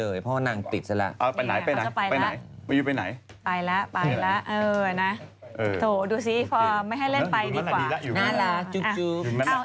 เออนะโถดูสิไม่ให้เล่นไปดีกว่า